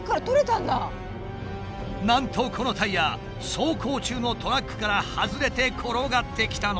なんとこのタイヤ走行中のトラックから外れて転がってきたのだ。